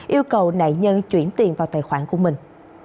yêu cầu nạn nhân chuyển tiền vào tài khoản của mình